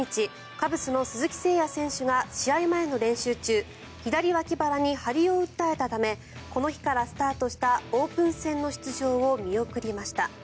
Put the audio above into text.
カブスの鈴木誠也選手が試合前の練習中左脇腹に張りを訴えたためこの日からスタートしたオープン戦の出場を見送りました。